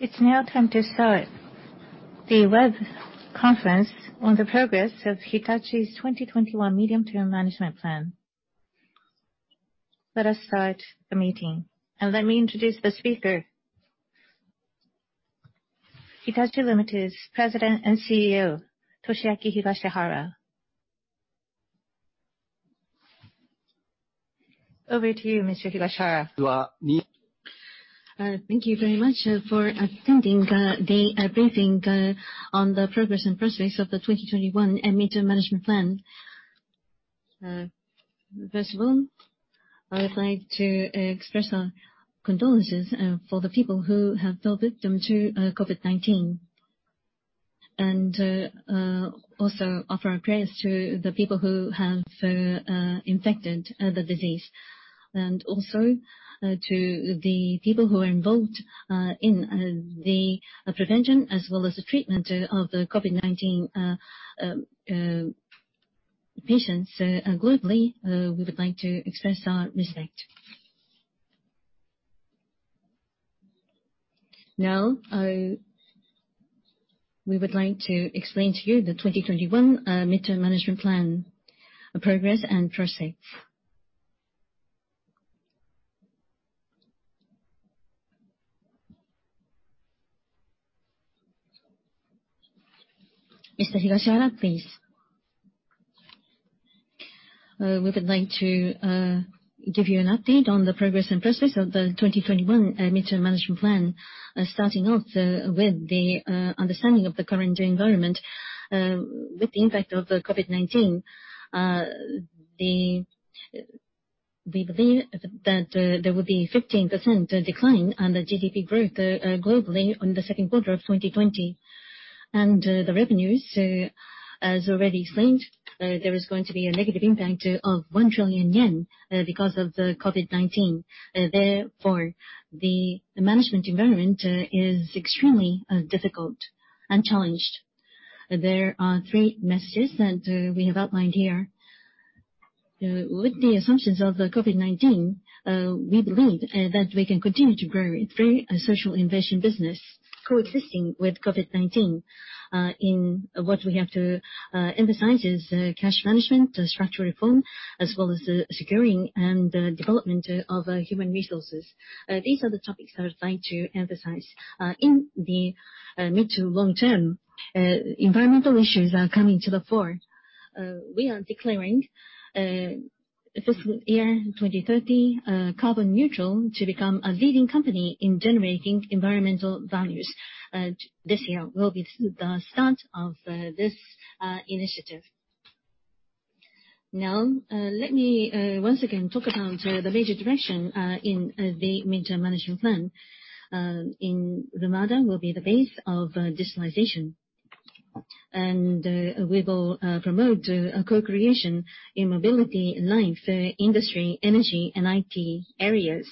It's now time to start the web conference on the progress of Hitachi's 2021 Mid-Term Management Plan. Let us start the meeting, let me introduce the speaker. Hitachi, Ltd.'s President and CEO, Toshiaki Higashihara. Over to you, Mr. Higashihara. Thank you very much for attending the briefing on the progress and prospects of the 2021 Mid-Term Management Plan. First of all, I would like to express our condolences for the people who have fell victim to COVID-19. Also offer our prayers to the people who have infected the disease, and also to the people who are involved in the prevention as well as the treatment of the COVID-19 patients globally. We would like to express our respect. Now, we would like to explain to you the 2021 Mid-Term Management Plan progress and prospects. Mr. Higashihara, please. We would like to give you an update on the progress and prospects of the 2021 Mid-Term Management Plan, starting off with the understanding of the current environment. With the impact of COVID-19, we believe that there will be 15% decline on the GDP growth globally on the second quarter of 2020. The revenues, as already explained, there is going to be a negative impact of 1 trillion yen because of the COVID-19. Therefore, the management environment is extremely difficult and challenged. There are three messages that we have outlined here. With the assumptions of COVID-19, we believe that we can continue to grow through a social innovation business coexisting with COVID-19. What we have to emphasize is cash management, structural reform, as well as the securing and development of human resources. These are the topics I would like to emphasize. In the mid to long term, environmental issues are coming to the fore. We are declaring fiscal year 2030 carbon neutral to become a leading company in generating environmental values. This year will be the start of this initiative. Now, let me once again talk about the major direction in the Mid-Term Management Plan. Lumada will be the base of digitalization. We will promote co-creation in mobility, life, industry, energy, and IT areas.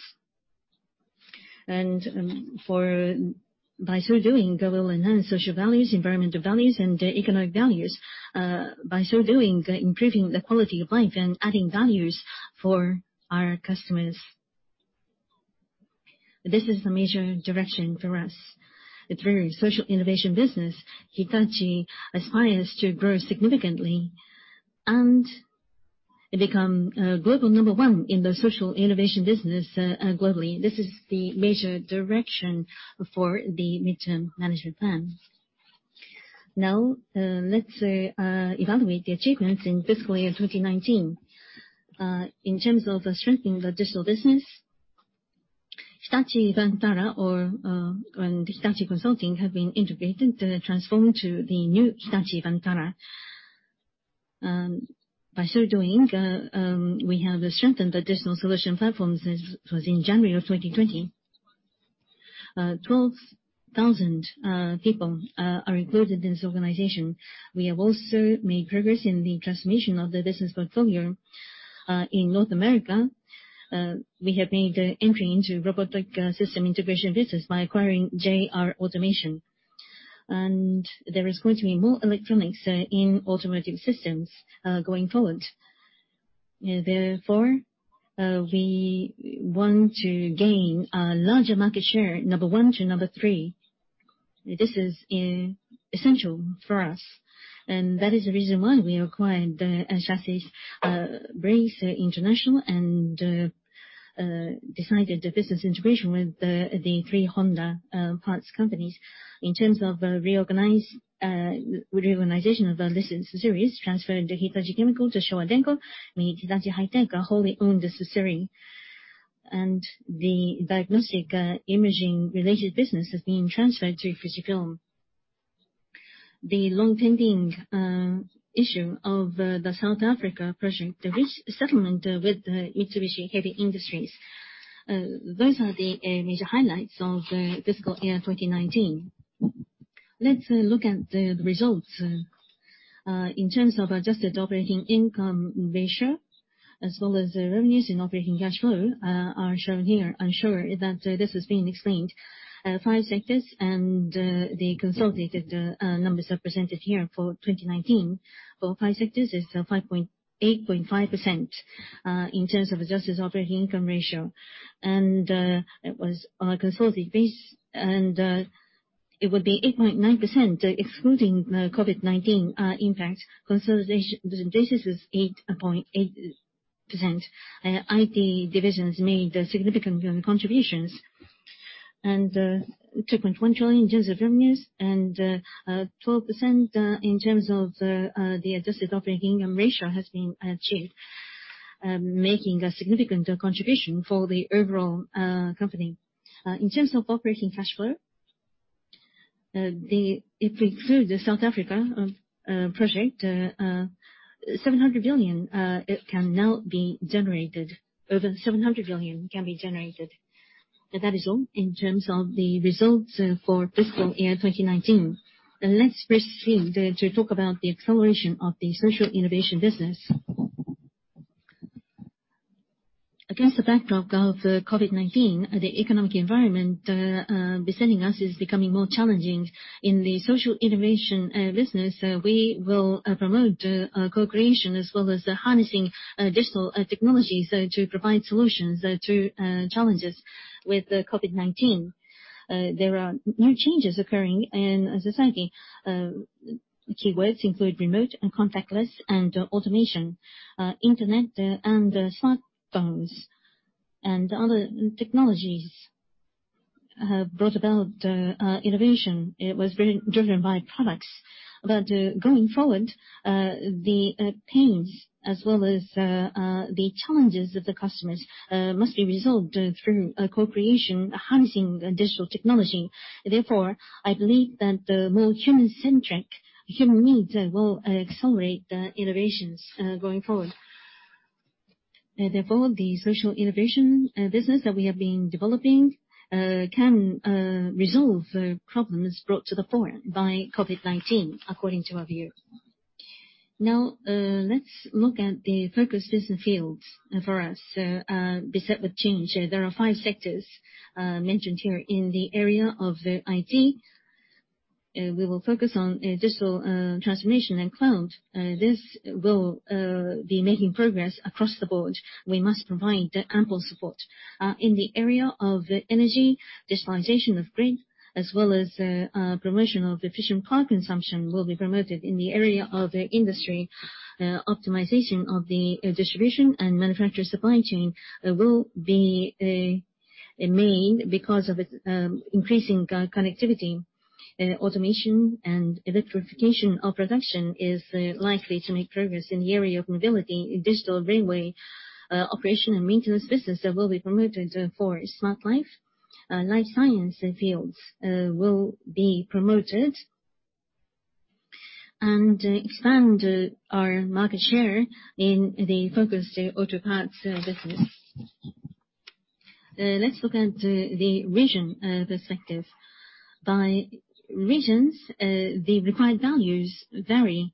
By so doing, we will enhance social values, environmental values, and economic values. By so doing, improving the quality of life and adding values for our customers. This is the major direction for us. Through social innovation business, Hitachi aspires to grow significantly and become global number one in the social innovation business globally. This is the major direction for the Mid-Term Management Plan. Now, let's evaluate the achievements in fiscal year 2019. In terms of strengthening the digital business, Hitachi Vantara and Hitachi Consulting have been integrated and transformed to the new Hitachi Vantara. By so doing, we have strengthened the digital solution platforms as was in January of 2020. 12,000 people are included in this organization. We have also made progress in the transformation of the business portfolio. In North America, we have made an entry into robotic system integration business by acquiring JR Automation. There is going to be more electronics in automotive systems going forward. Therefore, we want to gain a larger market share, number 1 to number 3. This is essential for us, and that is the reason why we acquired the Chassis Brakes International, and decided the business integration with the three Honda parts companies. In terms of reorganization of the business series, transferred Hitachi Chemical to Showa Denko, made Hitachi High-Tech a wholly owned subsidiary. The diagnostic imaging related business is being transferred to Fujifilm. The long-pending issue of the South Africa project, the settlement with Mitsubishi Heavy Industries. Those are the major highlights of fiscal year 2019. Let's look at the results. In terms of adjusted operating income ratio as well as revenues and operating cash flow are shown here. I'm sure that this has been explained. Five sectors and the consolidated numbers are presented here for 2019. For all five sectors, it's 8.5% in terms of adjusted operating income ratio. It was on a consolidated basis, and it would be 8.9% excluding COVID-19 impact. Consolidation business was 8.8%. IT divisions made significant contributions and 2.1 trillion in terms of revenues, and 12% in terms of the adjusted operating income ratio has been achieved, making a significant contribution for the overall company. In terms of operating cash flow, if we include the South Africa project, over 700 billion can be generated. That is all in terms of the results for fiscal year 2019. Let's proceed to talk about the acceleration of the social innovation business. Against the backdrop of COVID-19, the economic environment besetting us is becoming more challenging. In the social innovation business, we will promote co-creation as well as harnessing digital technology to provide solutions to challenges with COVID-19. There are new changes occurring in society. Keywords include remote and contactless, and automation. Internet and smartphones and other technologies have brought about innovation. It was very driven by products. But going forward, the pains as well as the challenges of the customers must be resolved through co-creation, harnessing digital technology. I believe that the more human-centric human needs will accelerate innovations going forward. The social innovation business that we have been developing can resolve problems brought to the fore by COVID-19, according to our view. Now, let's look at the focus business fields for us. Beset with change, there are five sectors mentioned here. In the area of IT, we will focus on digital transformation and cloud. This will be making progress across the board. We must provide ample support. In the area of energy, digitalization of grid as well as promotion of efficient power consumption will be promoted. In the area of industry, optimization of the distribution and manufacturer supply chain will be main because of its increasing connectivity. Automation and electrification of production is likely to make progress in the area of mobility. Digital railway operation and maintenance business will be promoted for smart life. Life science fields will be promoted. Expand our market share in the focused auto parts business. Let's look at the region perspective. By regions, the required values vary.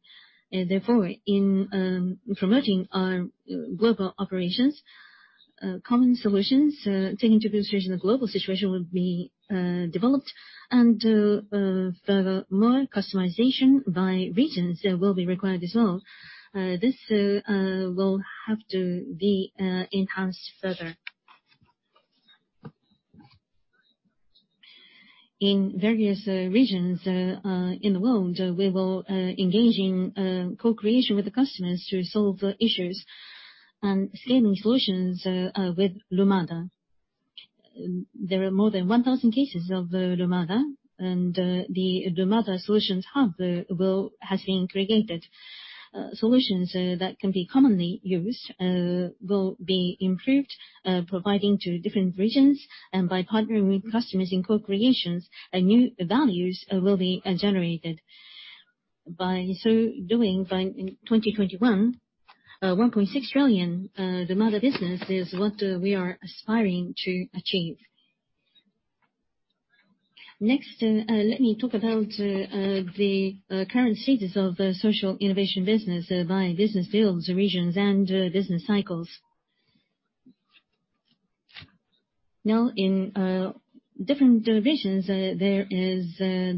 In promoting our global operations, common solutions taking into consideration the global situation would be developed, and furthermore customization by regions will be required as well. This will have to be enhanced further. In various regions in the world, we will engage in co-creation with the customers to solve issues and scaling solutions with Lumada. There are more than 1,000 cases of Lumada, and the Lumada Solution Hub has been created. Solutions that can be commonly used will be improved, providing to different regions. By partnering with customers in co-creations, new values will be generated. By so doing, by 2021, 1.6 trillion Lumada business is what we are aspiring to achieve. Next, let me talk about the current status of the social innovation business by business fields, regions, and business cycles. Now in different divisions, there is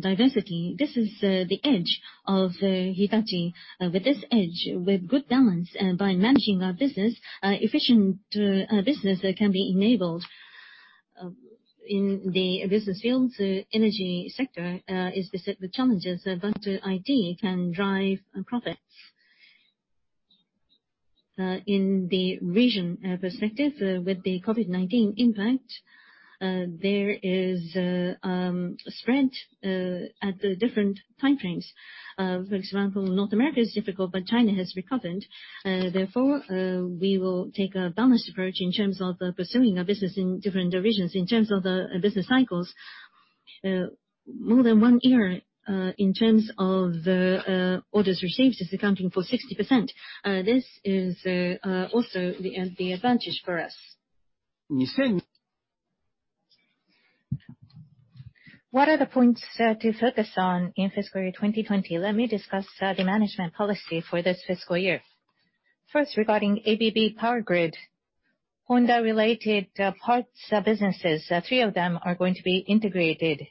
diversity. This is the edge of Hitachi. With this edge, with good balance, by managing our business, efficient business can be enabled. In the business fields, energy sector is beset with challenges, but IT can drive profits. In the region perspective, with the COVID-19 impact, there is a spread at different time frames. For example, North America is difficult, but China has recovered. Therefore, we will take a balanced approach in terms of pursuing our business in different divisions. In terms of the business cycles, more than one year in terms of orders received is accounting for 60%. This is also the advantage for us. What are the points to focus on in fiscal year 2020? Let me discuss the management policy for this fiscal year. First, regarding ABB Power Grids, Honda-related parts businesses, three of them are going to be integrated.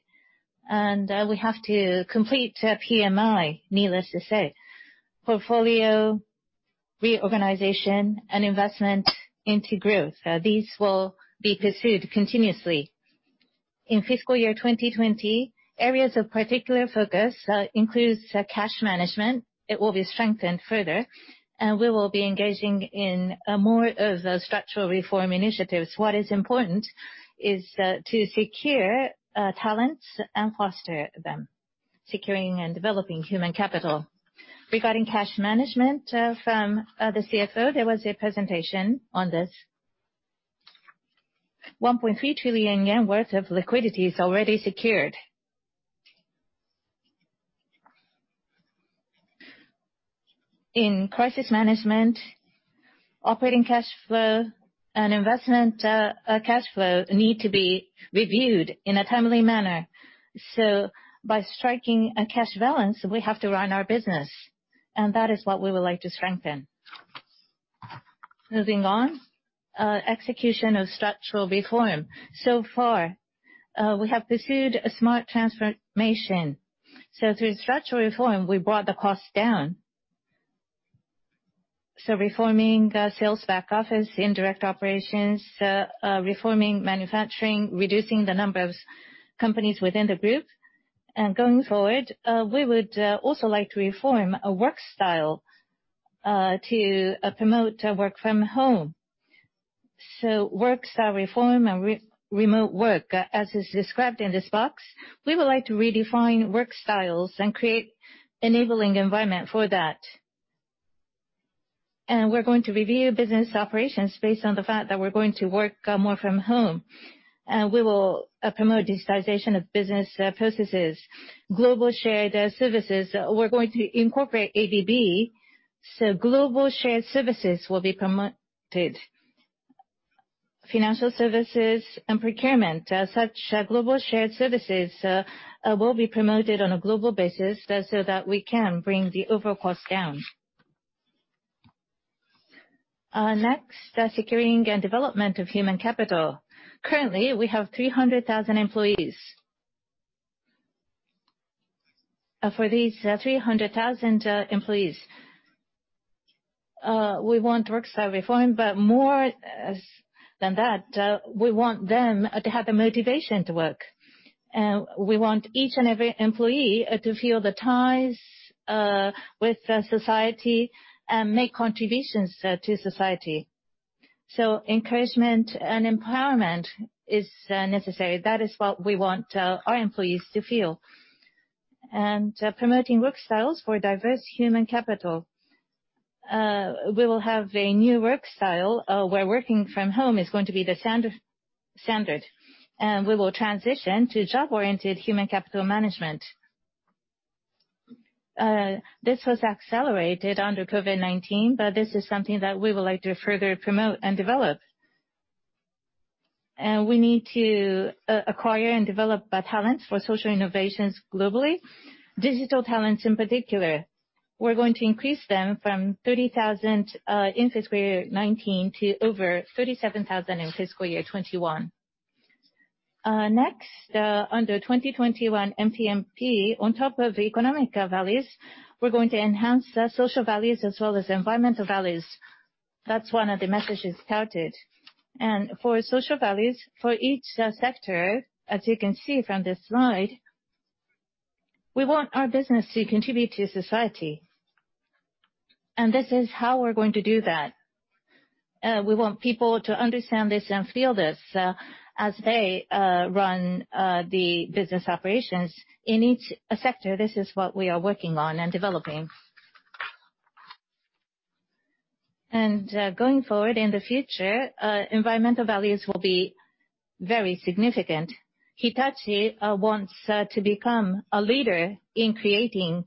We have to complete PMI, needless to say. Portfolio Reorganization and investment into growth. These will be pursued continuously. In fiscal year 2020, areas of particular focus includes cash management. It will be strengthened further, and we will be engaging in more of the structural reform initiatives. What is important is to secure talents and foster them. Securing and developing human capital. Regarding cash management from the CFO, there was a presentation on this. 1.3 trillion yen worth of liquidity is already secured. In crisis management, operating cash flow and investment cash flow need to be reviewed in a timely manner. By striking a cash balance, we have to run our business, and that is what we would like to strengthen. Moving on, execution of structural reform. Far, we have pursued a Smart Transformation. Through structural reform, we brought the cost down. Reforming sales back office, indirect operations, reforming manufacturing, reducing the numbers, companies within the group. Going forward, we would also like to reform a work style to promote work from home. Work style reform and remote work, as is described in this box. We would like to redefine work styles and create enabling environment for that. We're going to review business operations based on the fact that we're going to work more from home. We will promote digitization of business processes. Global shared services, we're going to incorporate ADB, so global shared services will be promoted. Financial services and procurement. As such, global shared services will be promoted on a global basis so that we can bring the overall cost down. Next, securing and development of human capital. Currently, we have 300,000 employees. For these 300,000 employees, we want work style reform. More than that, we want them to have the motivation to work. We want each and every employee to feel the ties with society and make contributions to society. Encouragement and empowerment is necessary. That is what we want our employees to feel. Promoting work styles for diverse human capital. We will have a new work style, where working from home is going to be the standard. We will transition to job-oriented human capital management. This was accelerated under COVID-19, but this is something that we would like to further promote and develop. We need to acquire and develop talent for social innovations globally, digital talents in particular. We're going to increase them from 30,000 in fiscal year 2019 to over 37,000 in fiscal year 2021. Next, under 2021 MTMP, on top of economic values, we're going to enhance the social values as well as environmental values. That's one of the messages touted. For social values, for each sector, as you can see from this slide, we want our business to contribute to society. This is how we're going to do that. We want people to understand this and feel this as they run the business operations. In each sector, this is what we are working on and developing. Going forward in the future, environmental values will be very significant. Hitachi wants to become a leader in creating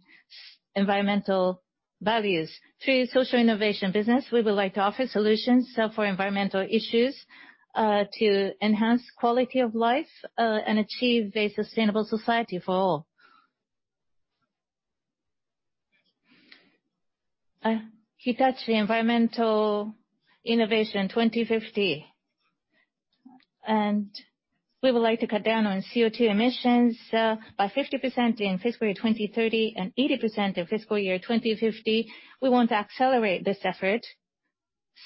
environmental values. Through social innovation business, we would like to offer solutions for environmental issues to enhance quality of life, and achieve a sustainable society for all. Hitachi Environmental Innovation 2050. We would like to cut down on CO2 emissions by 50% in fiscal year 2030 and 80% in fiscal year 2050. We want to accelerate this effort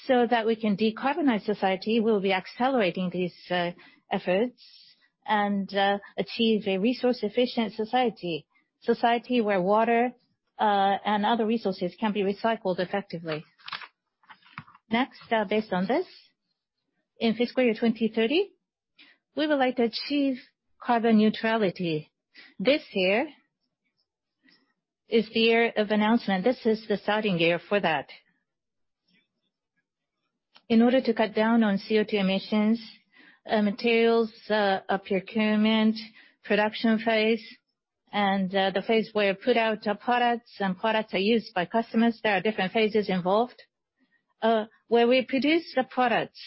so that we can decarbonize society. We will be accelerating these efforts and achieve a resource-efficient society where water and other resources can be recycled effectively. Next, based on this, in fiscal year 2030, we would like to achieve carbon neutrality. This year is the year of announcement. This is the starting year for that. In order to cut down on CO2 emissions, materials procurement, production phase, and the phase where put out products and products are used by customers, there are different phases involved. Where we produce the products,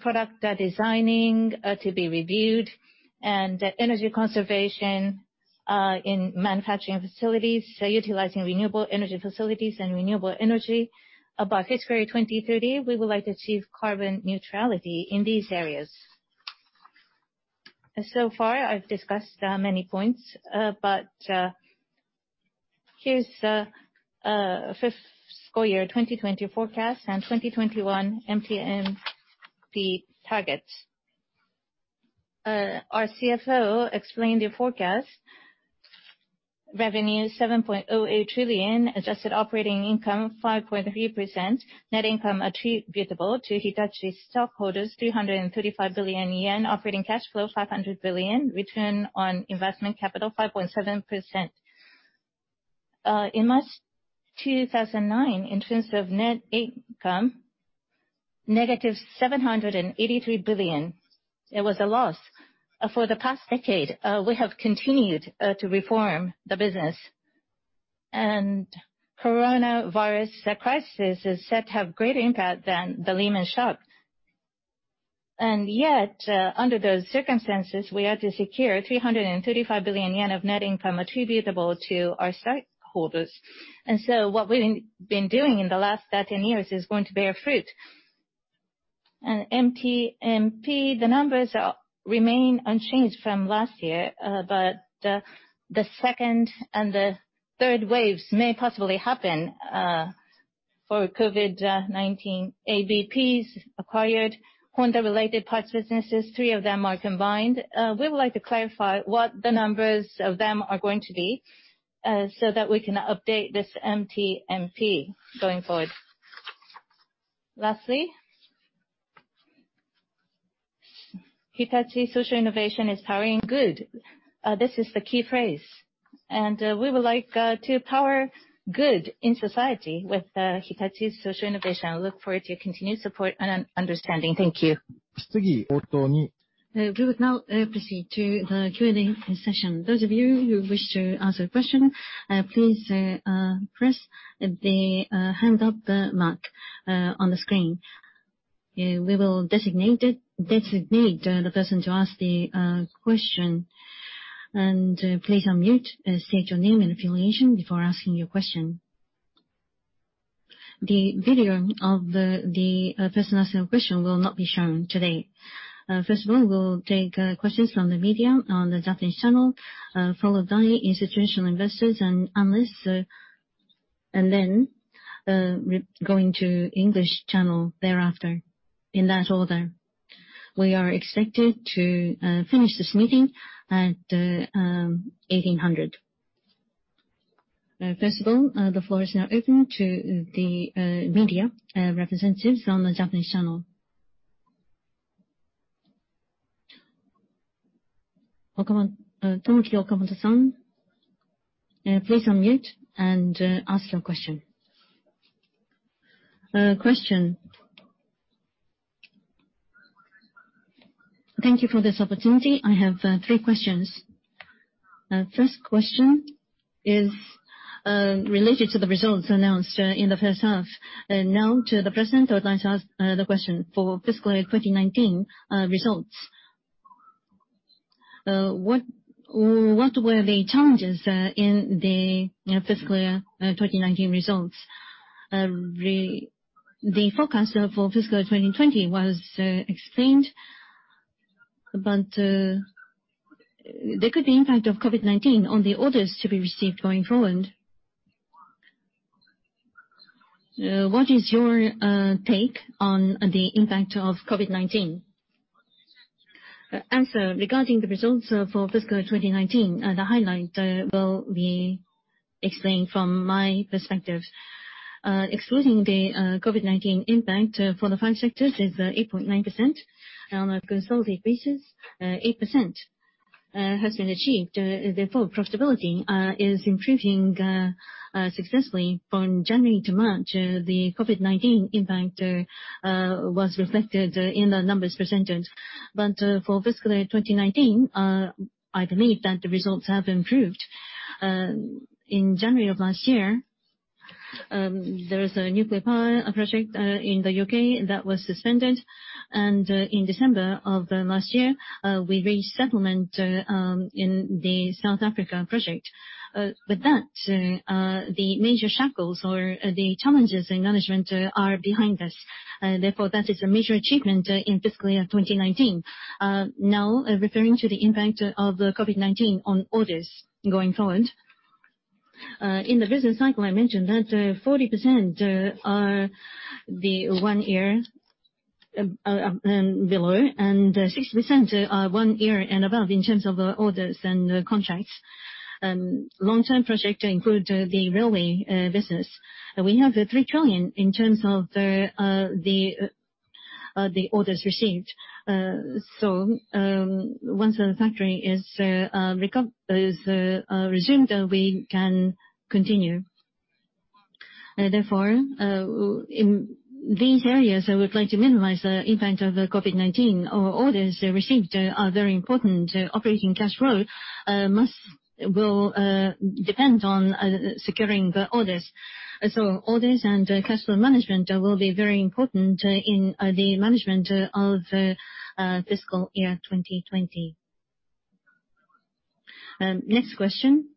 product designing to be reviewed and energy conservation in manufacturing facilities, so utilizing renewable energy facilities and renewable energy. By fiscal year 2030, we would like to achieve carbon neutrality in these areas. So far, I've discussed many points, but here's the fiscal year 2020 forecast and 2021 MTMP targets. Our CFO explained the forecast. Revenue 7.08 trillion, adjusted operating income 5.3%, net income attributable to Hitachi stockholders 335 billion yen, operating cash flow 500 billion, return on investment capital 5.7%. In March 2009, in terms of net income, negative 783 billion. It was a loss. For the past decade, we have continued to reform the business. Coronavirus crisis is set to have greater impact than the Lehman shock. Yet, under those circumstances, we had to secure 335 billion yen of net income attributable to our stakeholders. What we've been doing in the last 13 years is going to bear fruit. MTMP, the numbers remain unchanged from last year, but the second and the third waves may possibly happen for COVID-19. ABPs acquired Honda related parts businesses, three of them are combined. We would like to clarify what the numbers of them are going to be, so that we can update this MTMP going forward. Hitachi Social Innovation is powering good. This is the key phrase, we would like to power good in society with Hitachi's social innovation. I look forward to your continued support and understanding. Thank you. We would now proceed to the Q&A session. Those of you who wish to ask a question, please press the hand up mark on the screen. We will designate the person to ask the question. Please unmute and state your name and affiliation before asking your question. The video of the person asking the question will not be shown today. We'll take questions from the media on the Japanese channel, followed by institutional investors and analysts, going to English channel thereafter, in that order. We are expected to finish this meeting at 6:00 P.M. The floor is now open to the media representatives on the Japanese channel. Please unmute and ask your question. Thank you for this opportunity. I have three questions. First question is related to the results announced in the first half. To the President, I would like to ask the question for fiscal year 2019 results. What were the challenges in the fiscal year 2019 results? The forecast for fiscal year 2020 was explained, there could be impact of COVID-19 on the orders to be received going forward. What is your take on the impact of COVID-19? Answer, regarding the results for fiscal year 2019, the highlight will be explained from my perspective. Excluding the COVID-19 impact for the five sectors is 8.9% on a consolidated basis. 8% has been achieved, profitability is improving successfully from January to March. The COVID-19 impact was reflected in the numbers presented. For fiscal year 2019, I believe that the results have improved. In January of last year, there was a nuclear power project in the U.K. that was suspended, in December of last year, we reached settlement in the South Africa project. With that, the major shackles or the challenges in management are behind us. That is a major achievement in fiscal year 2019. Referring to the impact of COVID-19 on orders going forward. In the business cycle, I mentioned that 40% are the one year and below, and 60% are one year and above in terms of the orders and the contracts. Long-term projects include the railway business. We have 3 trillion in terms of the orders received. Once the factory is resumed, we can continue. Therefore, in these areas, I would like to minimize the impact of COVID-19. Our orders received are very important. Operating cash flow will depend on securing the orders. Orders and customer management will be very important in the management of fiscal year 2020. Next question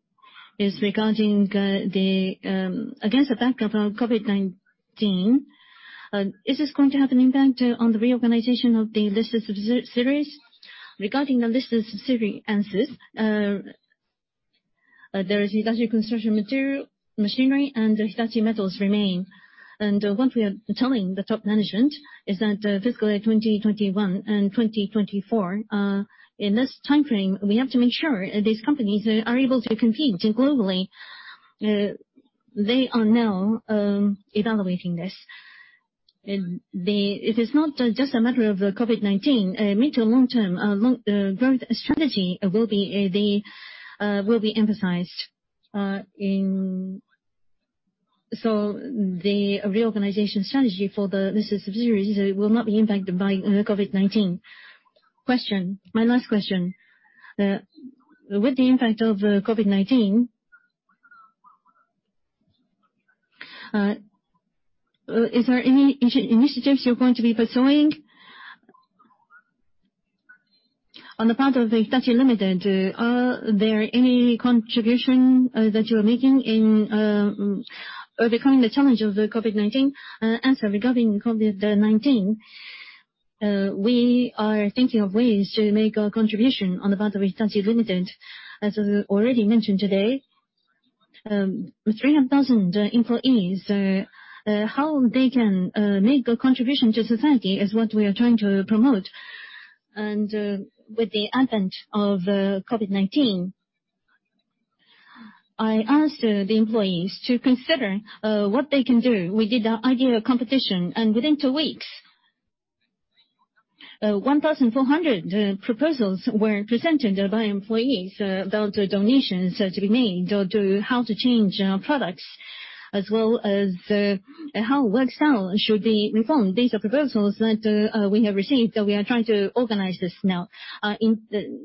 is regarding against the backdrop of COVID-19, is this going to have an impact on the reorganization of the listed subsidiaries? Regarding the listed subsidiaries, there is Hitachi Construction Machinery and Hitachi Metals remain. What we are telling the top management is that fiscal year 2021 and 2024, in this timeframe, we have to make sure these companies are able to compete globally. They are now evaluating this. It is not just a matter of COVID-19, mid- to long-term, long growth strategy will be emphasized. The reorganization strategy for the listed subsidiaries will not be impacted by COVID-19. Question, my last question. With the impact of COVID-19, is there any initiatives you're going to be pursuing? On the part of Hitachi, Ltd., are there any contribution that you're making in overcoming the challenge of COVID-19? Answer, regarding COVID-19, we are thinking of ways to make a contribution on the part of Hitachi, Ltd. As already mentioned today, 300,000 employees, how they can make a contribution to society is what we are trying to promote. With the advent of COVID-19, I asked the employees to consider what they can do. We did an idea competition, and within two weeks, 1,400 proposals were presented by employees about donations to be made or to how to change our products as well as how work style should be reformed. These are proposals that we have received, we are trying to organize this now.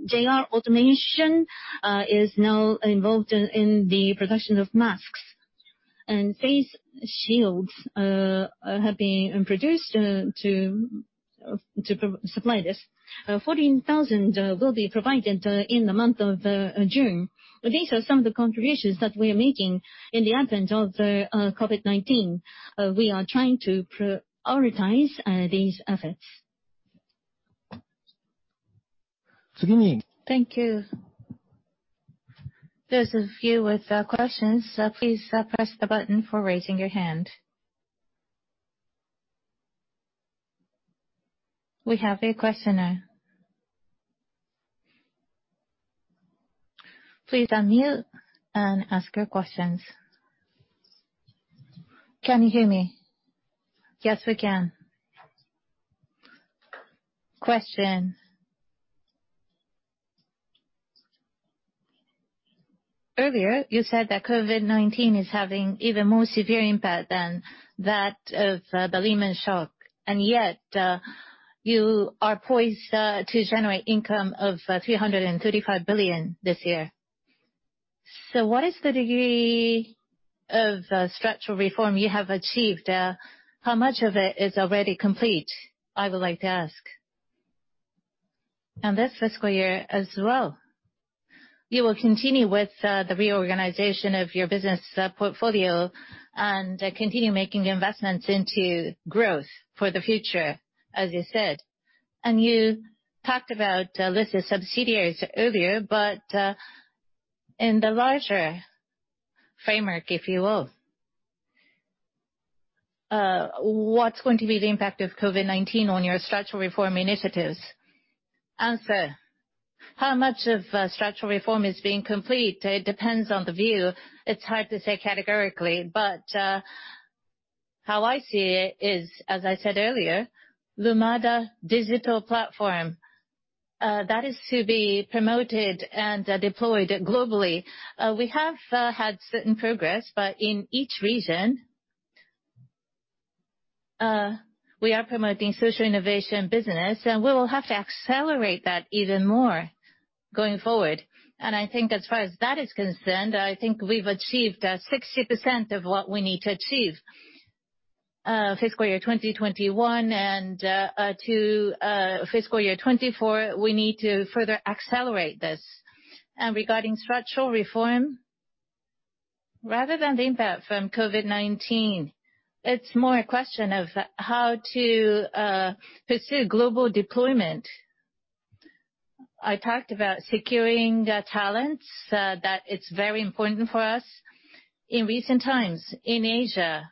JR Automation is now involved in the production of masks, and face shields have been produced to supply this. 14,000 will be provided in the month of June. These are some of the contributions that we're making in the advent of COVID-19. We are trying to prioritize these efforts. Thank you. Those of you with questions, please press the button for raising your hand. We have a questioner. Please unmute and ask your questions. Can you hear me? Yes, we can. Question. Earlier, you said that COVID-19 is having even more severe impact than that of the Lehman shock. You are poised to generate income of 335 billion this year. What is the degree of structural reform you have achieved? How much of it is already complete, I would like to ask. This fiscal year as well, you will continue with the reorganization of your business portfolio and continue making investments into growth for the future, as you said. You talked about listed subsidiaries earlier. In the larger framework, if you will, what's going to be the impact of COVID-19 on your structural reform initiatives? Answer. How much of structural reform is being complete, it depends on the view. It's hard to say categorically. How I see it is, as I said earlier, Lumada digital platform, that is to be promoted and deployed globally. We have had certain progress. In each region, we are promoting social innovation business. We will have to accelerate that even more going forward. I think as far as that is concerned, I think we've achieved 60% of what we need to achieve. Fiscal year 2021 and to fiscal year 2024, we need to further accelerate this. Regarding structural reform, rather than the impact from COVID-19, it's more a question of how to pursue global deployment. I talked about securing talents, that it's very important for us. In recent times, in Asia,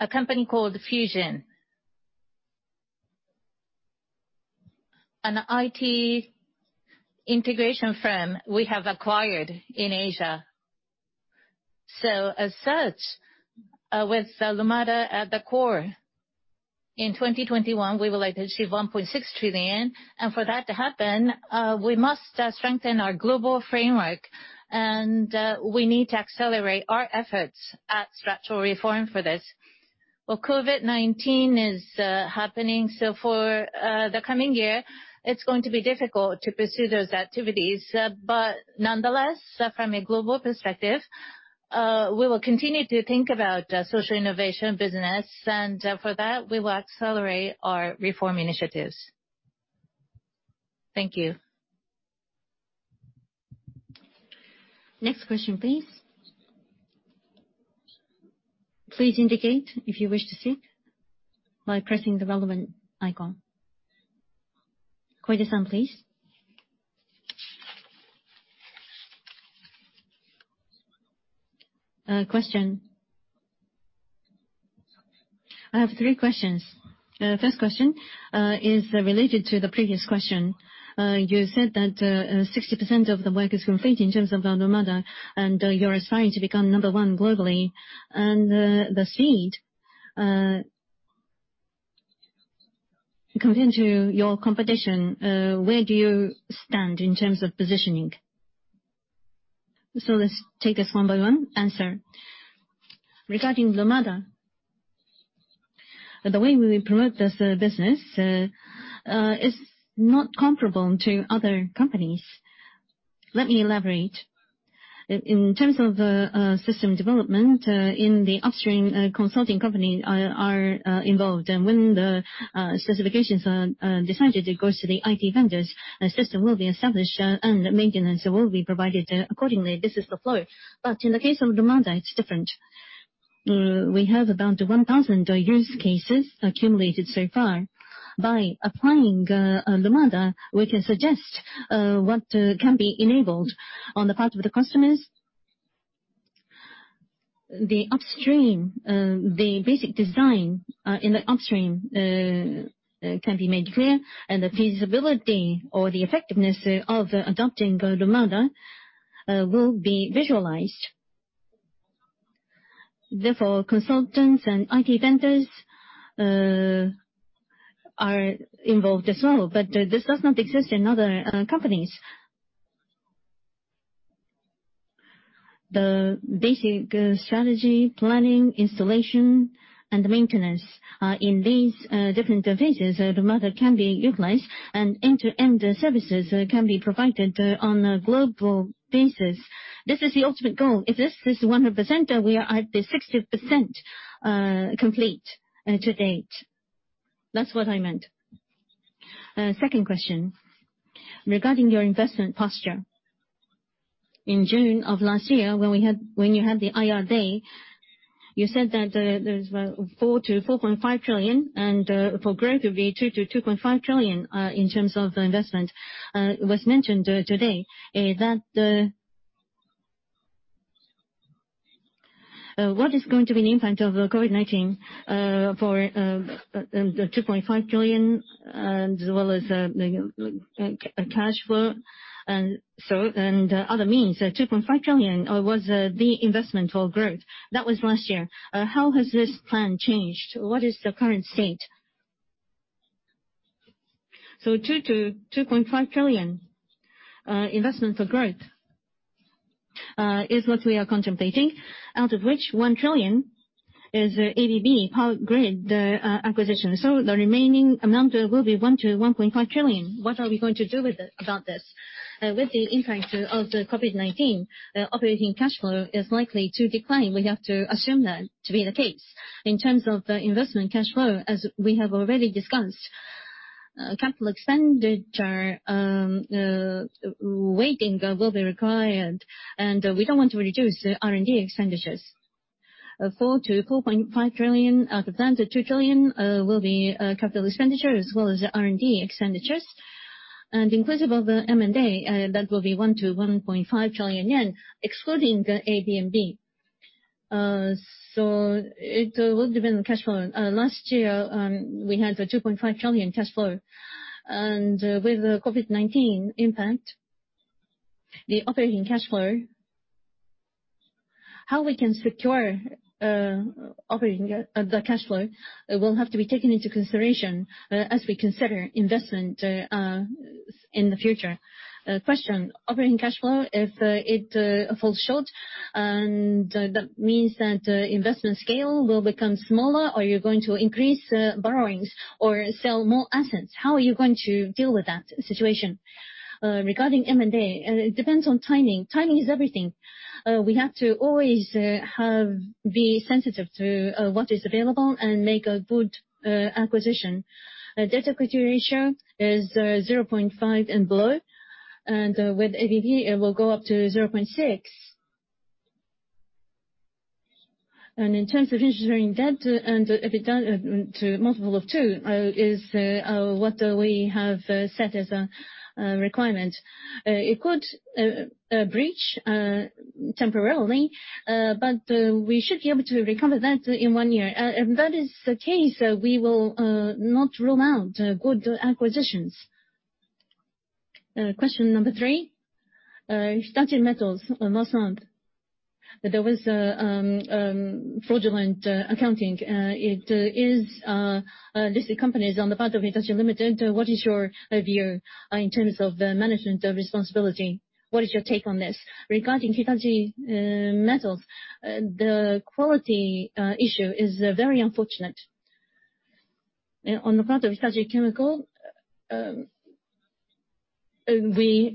a company called Fusionex, an IT integration firm we have acquired in Asia. As such, with Lumada at the core, in 2021, we would like to achieve 1.6 trillion. For that to happen, we must strengthen our global framework. We need to accelerate our efforts at structural reform for this. COVID-19 is happening. For the coming year, it's going to be difficult to pursue those activities. Nonetheless, from a global perspective- We will continue to think about social innovation business. For that, we will accelerate our reform initiatives. Thank you. Next question, please. Please indicate if you wish to speak by pressing the relevant icon. Koide-san, please. Question. I have three questions. First question is related to the previous question. You said that 60% of the work is complete in terms of Lumada. You're aspiring to become number one globally. The seed comes into your competition, where do you stand in terms of positioning? Let's take this one by one. Regarding Lumada, the way we promote this business is not comparable to other companies. Let me elaborate. In terms of the system development, in the upstream, consulting companies are involved. When the specifications are decided, it goes to the IT vendors. A system will be established, and maintenance will be provided accordingly. This is the flow. In the case of Lumada, it's different. We have about 1,000 use cases accumulated so far. By applying Lumada, we can suggest what can be enabled on the part of the customers. The basic design in the upstream can be made clear, and the feasibility or the effectiveness of adopting Lumada will be visualized. Therefore, consultants and IT vendors are involved as well, but this does not exist in other companies. The basic strategy, planning, installation, and maintenance, in these different phases, Lumada can be utilized, and end-to-end services can be provided on a global basis. This is the ultimate goal. If this is 100%, we are at 60% complete to date. That's what I meant. Second question, regarding your investment posture. In June of last year, when you had the IR Day, you said that there's 4 trillion-4.5 trillion, and for growth, it would be 2 trillion-2.5 trillion in terms of investment. What was mentioned today, what is going to be the impact of COVID-19 for the 2.5 trillion, as well as cash flow and other means? 2.5 trillion was the investment for growth. That was last year. How has this plan changed? What is the current state? JPY 2 trillion-JPY 2.5 trillion investment for growth is what we are contemplating, out of which 1 trillion is the ABB power grid acquisition. The remaining amount will be 1 trillion-1.5 trillion. What are we going to do about this? With the impact of the COVID-19, operating cash flow is likely to decline. We have to assume that to be the case. In terms of the investment cash flow, as we have already discussed, capital expenditure weighting will be required, and we don't want to reduce R&D expenditures. 4 trillion-4.5 trillion of the plan to 2 trillion will be capital expenditure as well as R&D expenditures. Inclusive of the M&A, that will be 1 trillion-1.5 trillion yen, excluding the ABB. It will depend on cash flow. Last year, we had the 2.5 trillion cash flow. With the COVID-19 impact, the operating cash flow, how we can secure the cash flow will have to be taken into consideration as we consider investment in the future. Question. Operating cash flow, if it falls short and that means that investment scale will become smaller, are you going to increase borrowings or sell more assets? How are you going to deal with that situation? Regarding M&A, it depends on timing. Timing is everything. We have to always be sensitive to what is available and make a good acquisition. Debt-to-equity ratio is 0.5 and below, and with ABB, it will go up to 0.6. In terms of engineering debt and EBITDA to multiple of 2 is what we have set as a requirement. It could breach temporarily, but we should be able to recover that in 1 year. If that is the case, we will not rule out good acquisitions. Question number 3. Hitachi Metals, last month, there was fraudulent accounting. It is listed companies on the part of Hitachi, Ltd. What is your view in terms of management responsibility? What is your take on this? Regarding Hitachi Metals, the quality issue is very unfortunate On the part of Hitachi Chemical, we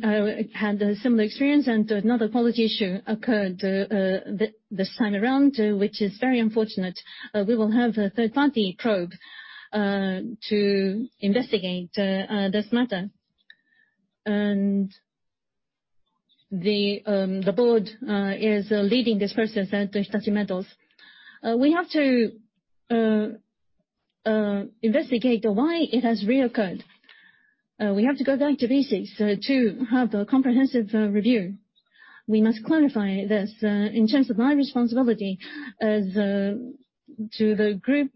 had a similar experience and another quality issue occurred this time around, which is very unfortunate. We will have a third-party probe to investigate this matter. The board is leading this process at Hitachi Metals. We have to investigate why it has reoccurred. We have to go back to basics to have a comprehensive review. We must clarify this. In terms of my responsibility to the group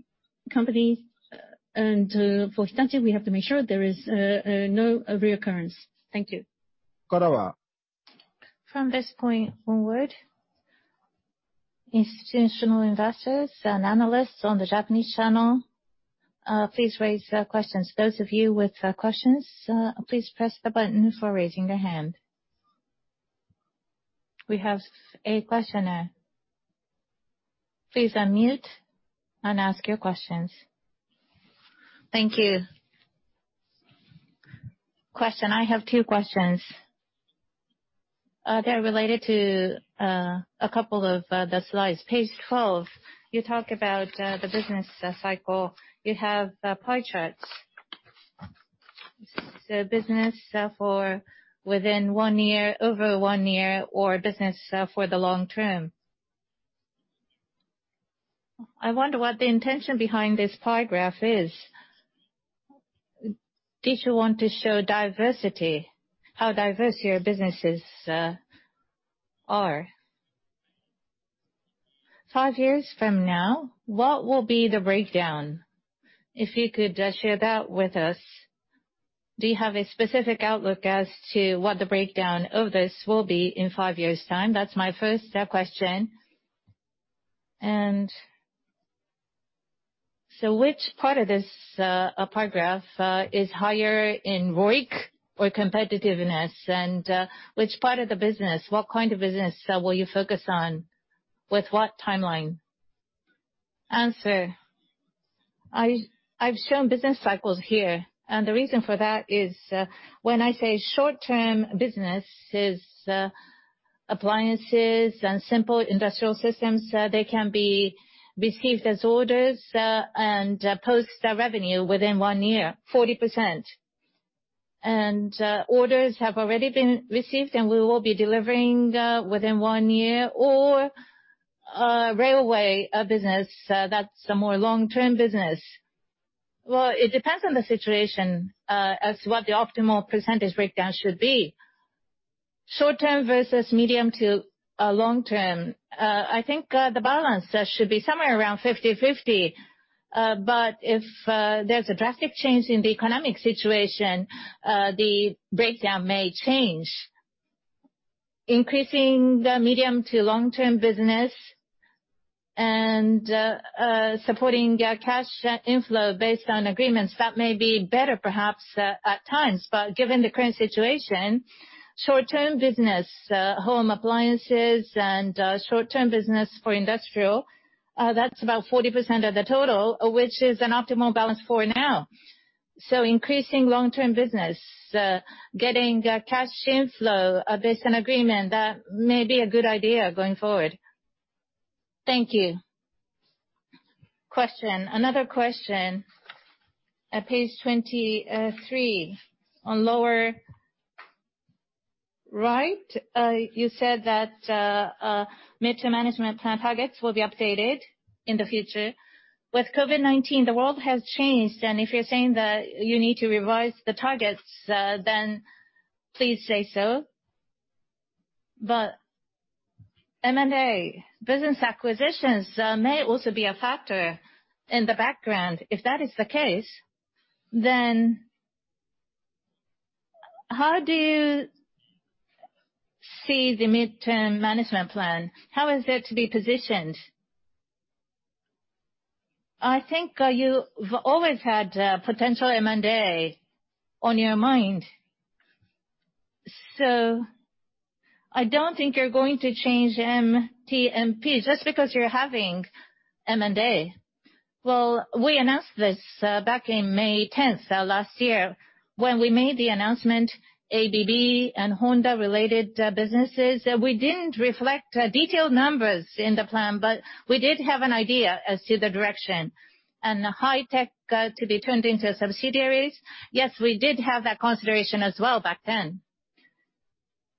company and for Hitachi, we have to make sure there is no reoccurrence. Thank you. Karawa. From this point onward, institutional investors and analysts on the Japanese channel, please raise questions. Those of you with questions, please press the button for raising your hand. We have a questioner. Please unmute and ask your questions. Thank you. I have two questions. They're related to a couple of the slides. Page 12, you talk about the business cycle. You have pie charts. Business for over one year or business for the long term. I wonder what the intention behind this pie graph is. Did you want to show diversity, how diverse your businesses are? Five years from now, what will be the breakdown? If you could share that with us. Do you have a specific outlook as to what the breakdown of this will be in five years' time? That's my first question. Which part of this pie graph is higher in ROIC or competitiveness, and which part of the business, what kind of business will you focus on, with what timeline? Answer. I've shown business cycles here, and the reason for that is when I say short-term business is appliances and simple industrial systems, they can be received as orders and post revenue within one year, 40%. Orders have already been received, and we will be delivering within one year, or railway business, that's a more long-term business. It depends on the situation as to what the optimal percentage breakdown should be. Short-term versus medium to long-term, I think the balance should be somewhere around 50/50. If there's a drastic change in the economic situation, the breakdown may change. Increasing the medium to long-term business and supporting cash inflow based on agreements, that may be better perhaps at times. Given the current situation, short-term business, home appliances and short-term business for industrial, that's about 40% of the total, which is an optimal balance for now. Increasing long-term business, getting cash inflow based on agreement, that may be a good idea going forward. Thank you. Another question. At page 23, on lower right, you said that Mid-Term Management Plan targets will be updated in the future. With COVID-19, the world has changed, and if you're saying that you need to revise the targets, then please say so. M&A business acquisitions may also be a factor in the background. If that is the case, then how do you see the Mid-Term Management Plan? How is it to be positioned? I think you've always had potential M&A on your mind, I don't think you're going to change MTMP just because you're having M&A. Well, we announced this back in May 10th, last year. When we made the announcement, ABB and Honda-related businesses, we didn't reflect detailed numbers in the plan, but we did have an idea as to the direction. High-Tech to be turned into subsidiaries, yes, we did have that consideration as well back then.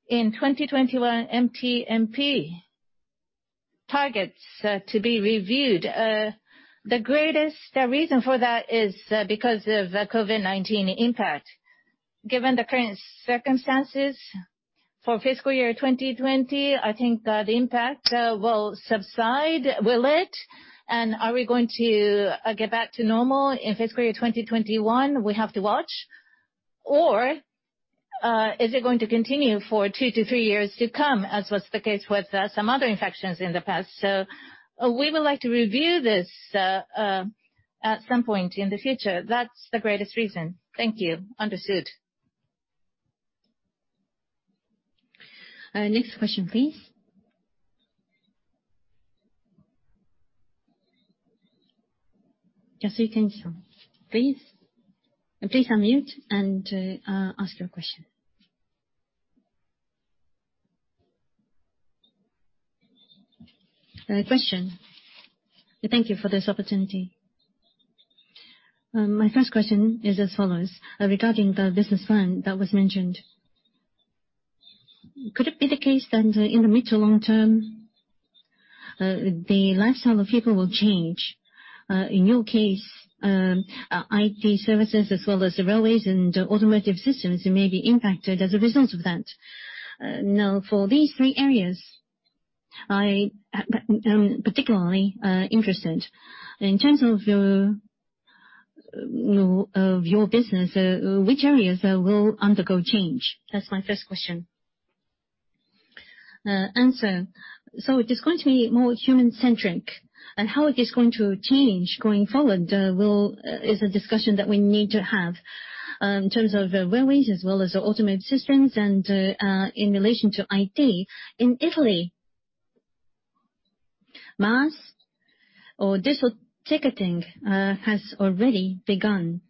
In 2021, MTMP targets to be reviewed. The greatest reason for that is because of COVID-19 impact. Given the current circumstances for fiscal year 2020, I think the impact will subside. Will it? Are we going to get back to normal in fiscal year 2021? We have to watch. Is it going to continue for two to three years to come, as was the case with some other infections in the past? We would like to review this at some point in the future. That's the greatest reason. Thank you. Understood. Next question, please. Yasutake Nishio, please. Please unmute and ask your question. Question. Thank you for this opportunity. My first question is as follows, regarding the business plan that was mentioned. Could it be the case that in the mid to long term, the lifestyle of people will change? In your case, IT services as well as the railways and automotive systems may be impacted as a result of that. Now, for these three areas, I am particularly interested. In terms of your business, which areas will undergo change? That's my first question. Answer. It is going to be more human-centric, and how it is going to change going forward is a discussion that we need to have. In terms of railways as well as automated systems and in relation to IT, in Italy, mass or digital ticketing has already begun.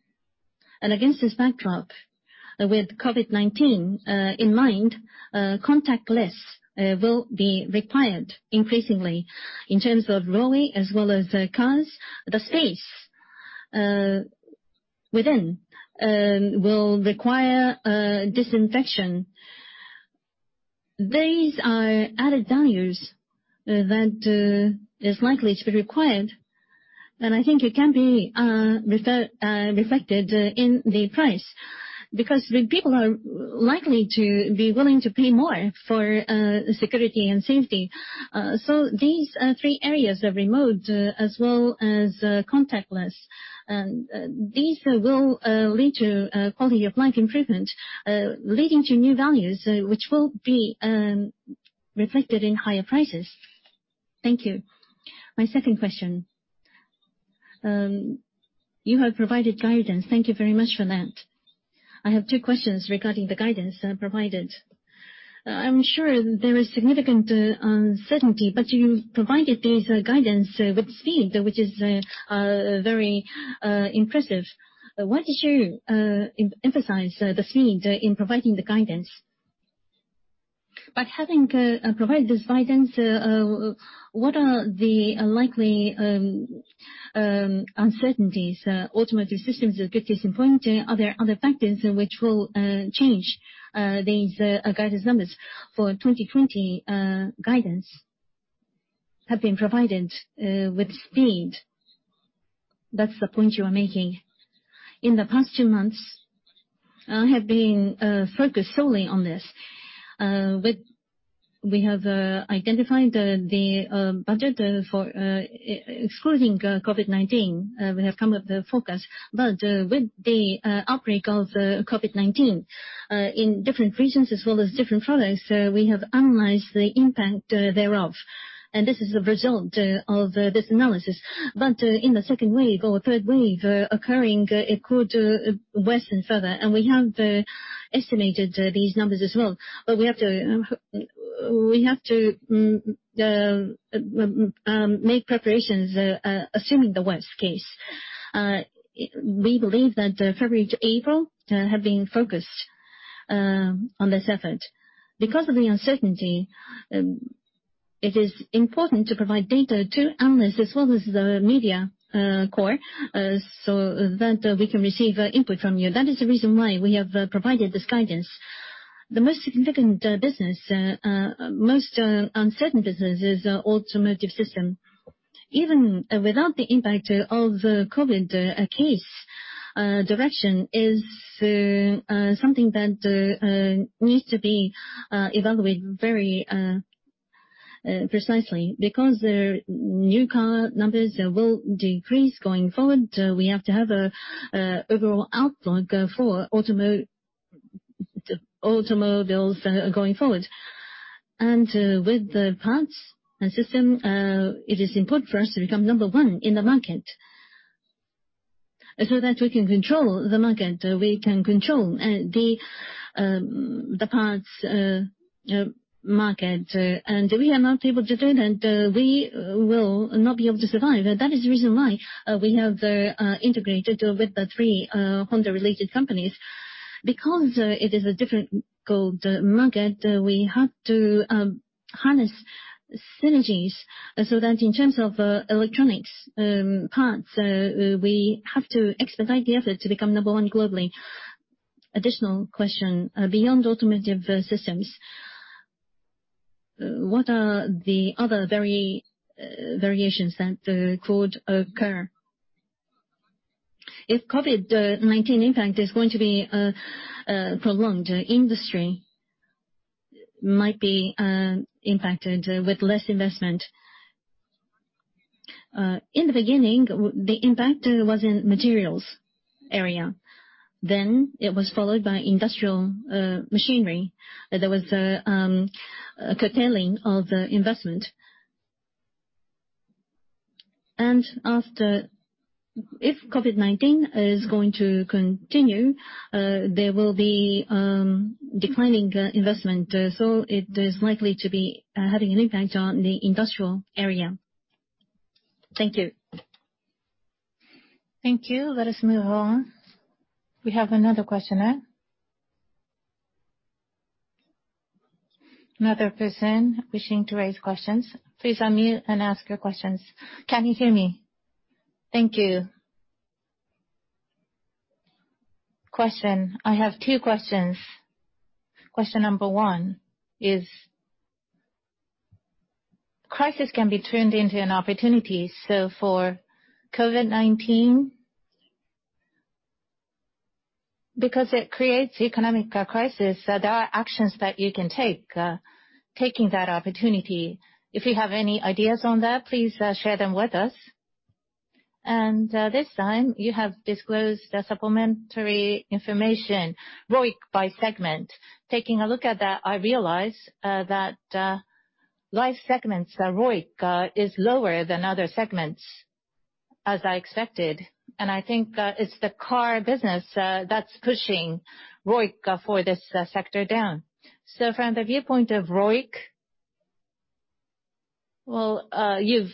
Against this backdrop, with COVID-19 in mind, contactless will be required increasingly. In terms of railway as well as cars, the space within will require disinfection. These are added values that is likely to be required, and I think it can be reflected in the price. The people are likely to be willing to pay more for security and safety. These three areas, remote as well as contactless, these will lead to quality of life improvement, leading to new values, which will be reflected in higher prices. Thank you. My second question. You have provided guidance. Thank you very much for that. I have two questions regarding the guidance provided. I'm sure there is significant uncertainty, but you provided this guidance with speed, which is very impressive. Why did you emphasize the speed in providing the guidance? Having provided this guidance, what are the likely uncertainties? Automotive systems is 50% point. Are there other factors which will change these guidance numbers for 2020 guidance have been provided with speed? That's the point you are making. In the past two months, I have been focused solely on this. We have identified the budget excluding COVID-19. We have come up with the forecast. With the outbreak of COVID-19, in different regions as well as different products, we have analyzed the impact thereof. This is the result of this analysis. In the second wave or third wave occurring, it could worsen further, and we have estimated these numbers as well. We have to make preparations, assuming the worst case. We believe that February to April have been focused on this effort. Of the uncertainty, it is important to provide data to analysts as well as the media corps, so that we can receive input from you. That is the reason why we have provided this guidance. The most significant business, most uncertain business is automotive system. Even without the impact of COVID case, direction is something that needs to be evaluated very precisely. New car numbers will decrease going forward, we have to have an overall outlook for automobiles going forward. With the parts and system, it is important for us to become number one in the market. We can control the market, we can control the parts market. We are not able to do that, we will not be able to survive. That is the reason why we have integrated with the three Honda-related companies. It is a different global market, we have to harness synergies, so that in terms of electronics parts, we have to expedite the effort to become number one globally. Additional question. Beyond automotive systems, what are the other variations that could occur? If COVID-19 impact is going to be prolonged, industry might be impacted with less investment. In the beginning, the impact was in materials area. It was followed by industrial machinery. There was a curtailing of investment. If COVID-19 is going to continue, there will be declining investment. It is likely to be having an impact on the industrial area. Thank you. Thank you. Let us move on. We have another questioner. Another person wishing to raise questions, please unmute and ask your questions. Can you hear me? Thank you. Question. I have two questions. Question number one is, crisis can be turned into an opportunity. For COVID-19, because it creates economic crisis, there are actions that you can take, taking that opportunity. If you have any ideas on that, please share them with us. This time you have disclosed the supplementary information, ROIC by segment. Taking a look at that, I realize that life segment's ROIC is lower than other segments, as I expected, and I think that it's the car business that's pushing ROIC for this sector down. From the viewpoint of ROIC, well, you've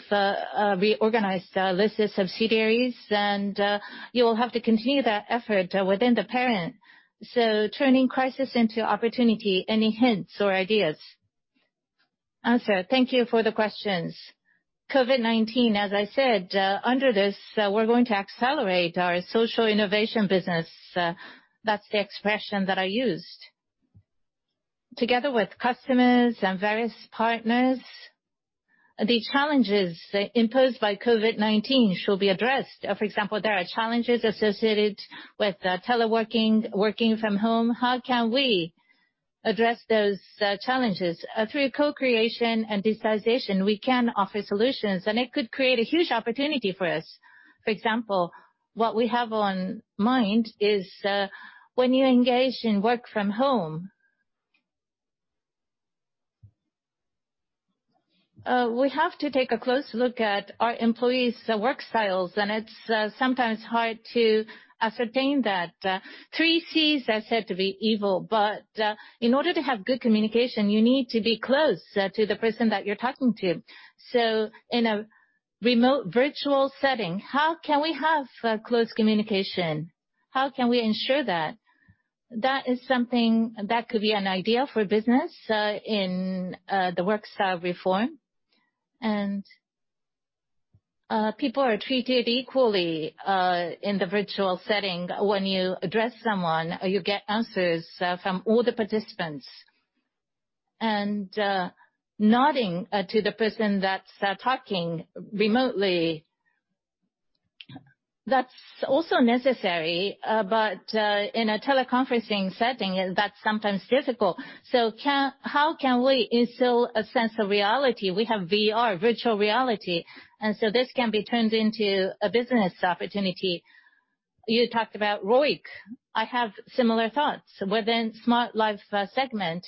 reorganized a list of subsidiaries and you'll have to continue that effort within the parent. Turning crisis into opportunity, any hints or ideas? Thank you for the questions. COVID-19, as I said, under this, we're going to accelerate our social innovation business. That's the expression that I used. Together with customers and various partners, the challenges imposed by COVID-19 shall be addressed. For example, there are challenges associated with teleworking, working from home. How can we address those challenges? Through co-creation and digitization, we can offer solutions, and it could create a huge opportunity for us. For example, what we have in mind is, when you engage in work from home, we have to take a close look at our employees' work styles, and it's sometimes hard to ascertain that. Three Cs are said to be evil, in order to have good communication, you need to be close to the person that you're talking to. In a remote virtual setting, how can we have close communication? How can we ensure that? That could be an idea for business in the work style reform. People are treated equally in the virtual setting. When you address someone, you get answers from all the participants. Nodding to the person that's talking remotely, that's also necessary, but in a teleconferencing setting, that's sometimes difficult. How can we instill a sense of reality? We have VR, virtual reality, this can be turned into a business opportunity. You talked about ROIC. I have similar thoughts. Within Smart Life segment,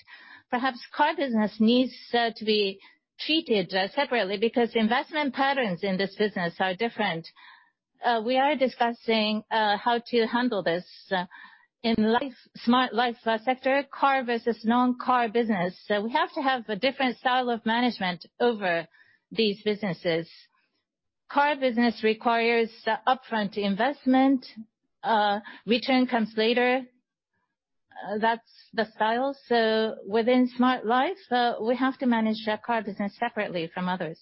perhaps car business needs to be treated separately because investment patterns in this business are different. We are discussing how to handle this. In Smart Life sector, car versus non-car business, we have to have a different style of management over these businesses. Car business requires upfront investment, return comes later. That's the style. Within Smart Life, we have to manage car business separately from others.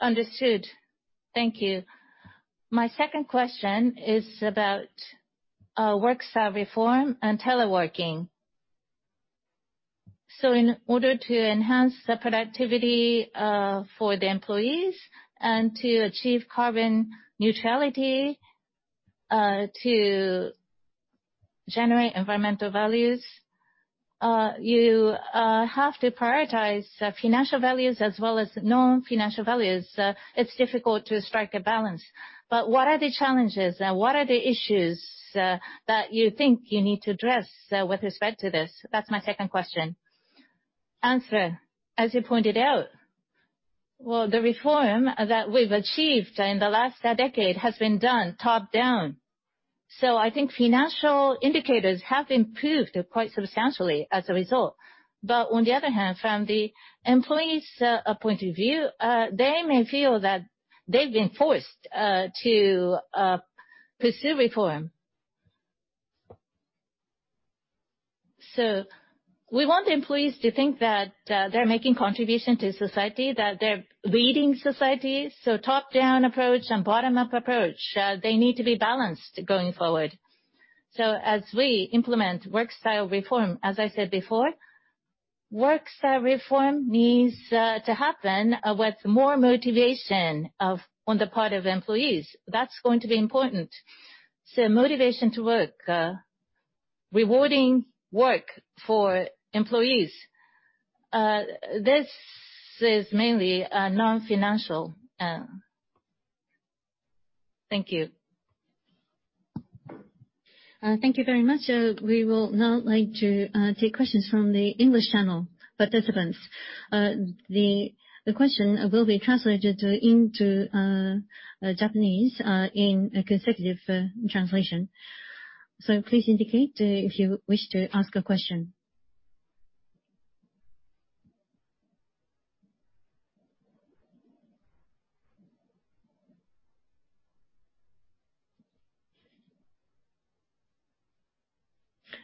Understood. Thank you. My second question is about work style reform and teleworking. In order to enhance the productivity for the employees and to achieve carbon neutrality to generate environmental values, you have to prioritize financial values as well as non-financial values. It's difficult to strike a balance. What are the challenges and what are the issues that you think you need to address with respect to this? That's my second question. As you pointed out, well, the reform that we've achieved in the last decade has been done top-down. I think financial indicators have improved quite substantially as a result. On the other hand, from the employee's point of view, they may feel that they've been forced to pursue reform. We want the employees to think that they're making contribution to society, that they're leading society. Top-down approach and bottom-up approach, they need to be balanced going forward. As we implement work style reform, as I said before, work style reform needs to happen with more motivation on the part of employees. That's going to be important. Motivation to work, rewarding work for employees. This is mainly non-financial. Thank you Thank you very much. We will now like to take questions from the English channel participants. The question will be translated into Japanese in a consecutive translation. Please indicate if you wish to ask a question.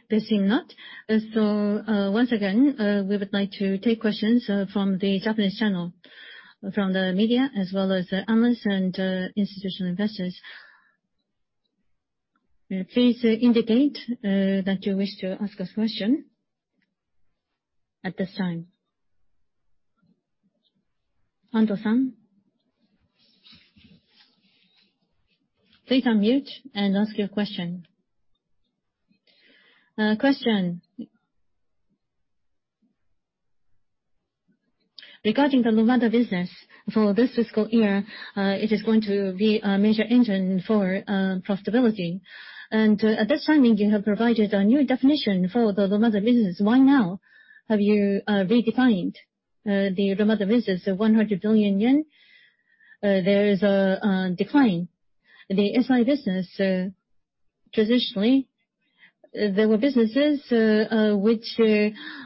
They seem not. Once again, we would like to take questions from the Japanese channel, from the media, as well as the analysts and institutional investors. Please indicate that you wish to ask a question at this time. Ando-san, please unmute and ask your question. Question. Regarding the Lumada business for this fiscal year, it is going to be a major engine for profitability. At this time, you have provided a new definition for the Lumada business. Why now have you redefined the Lumada business? The 100 billion yen, there is a decline. The SI business, traditionally, there were businesses which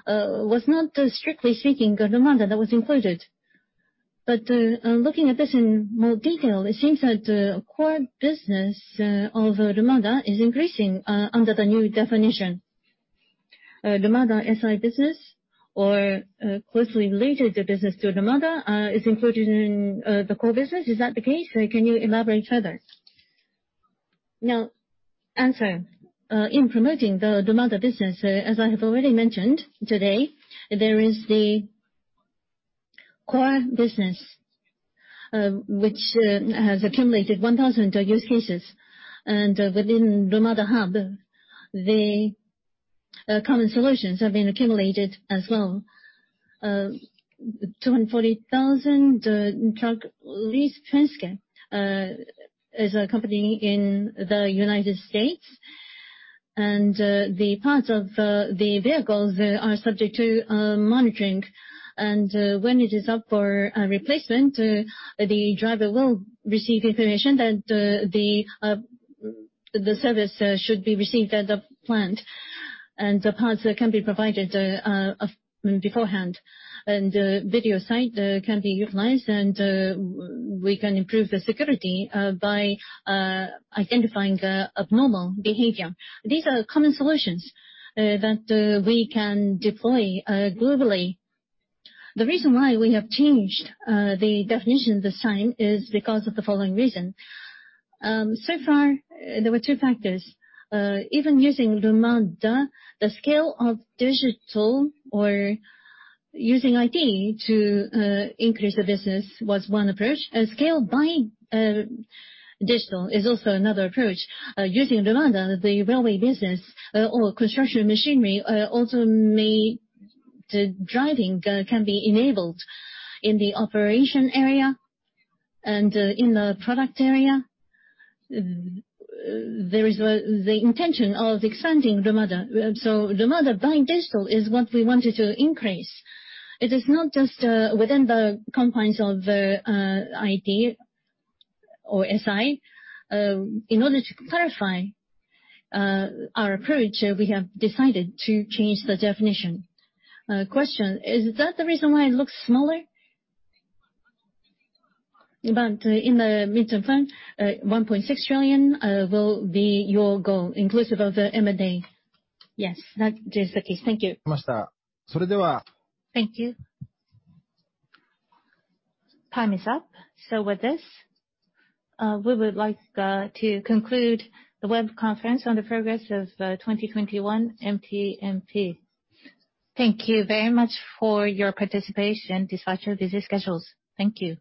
was not strictly seeking Lumada that was included. Looking at this in more detail, it seems that the core business of Lumada is increasing under the new definition. Lumada SI business or closely related business to Lumada is included in the core business. Is that the case? Can you elaborate further? Answer. In promoting the Lumada business, as I have already mentioned today, there is the core business, which has accumulated 1,000 use cases. Within Lumada Hub, the common solutions have been accumulated as well. 240,000 truck lease Penske is a company in the U.S., the parts of the vehicles are subject to monitoring. When it is up for replacement, the driver will receive information that the service should be received at the plant, the parts can be provided beforehand. Video site can be utilized, we can improve the security by identifying the abnormal behavior. These are common solutions that we can deploy globally. The reason why we have changed the definition this time is because of the following reason. Far, there were two factors. Even using Lumada, the scale of digital or using IT to increase the business was one approach. A scale by digital is also another approach. Using Lumada, the railway business or construction machinery also made the driving can be enabled in the operation area and in the product area. There is the intention of expanding Lumada. Lumada by digital is what we wanted to increase. It is not just within the confines of the IT or SI. In order to clarify our approach, we have decided to change the definition. Question, is that the reason why it looks smaller? In the midterm fund, 1.6 trillion will be your goal, inclusive of the M&A. Yes, that is the case. Thank you. Thank you. Time is up. With this, we would like to conclude the web conference on the progress of 2021 MTMP. Thank you very much for your participation despite your busy schedules. Thank you.